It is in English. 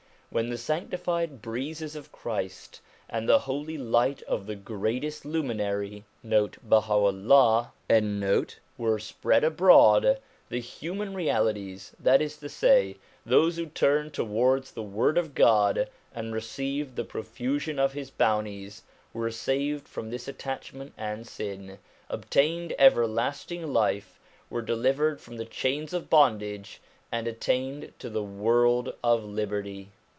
When the sanctified breezes of Christ, and the holy light of the Greatest Luminary x were spread abroad, the human realities, that is to say, those who turned towards the Word of God and received the profusion of His bounties, were saved from this attachment and sin, obtained everlasting life, were delivered from the chains of bondage, and attained to the world of liberty.